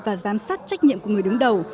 và giám sát trách nhiệm của người đứng đầu